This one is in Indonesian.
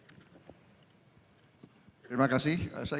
saya kira ini esensi pertanyaan